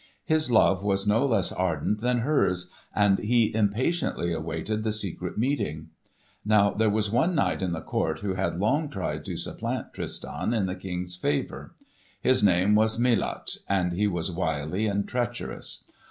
His love was no less ardent than hers, and he impatiently awaited the secret meeting. Now there was one knight in the court who had long tried to supplant Tristan in the King's favour. His name was Melot, and he was wily and treacherous.